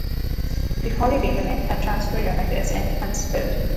The Holliday Unit, a transfer unit, is in Huntsville.